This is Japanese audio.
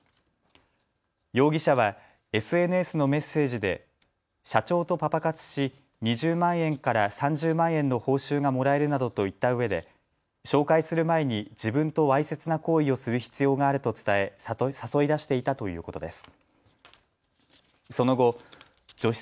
容疑者はＳＮＳのメッセージで社長とパパ活し２０万円から３０万円の報酬がもらえるなどと言ったうえで紹介する前に自分とわいせつな行為をする必要があると伝え誘い出していたということです。